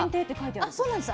あっそうなんです。